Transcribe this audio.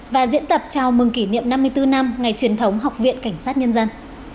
và diễn tập chào mừng kỷ niệm năm mươi bốn năm ngày truyền thống học viện cảnh sát nhân dân